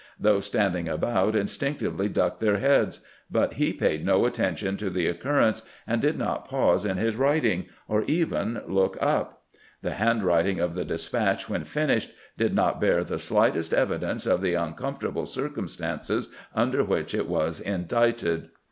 Those standing about instinctively ducked their heads, but he paid no attention to the oc currence, and did not pause in his writing, or even look up. The handwriting of the despatch when finished did not bear the slightest evidence of the uncomfortable cir cumstances under which it was indited.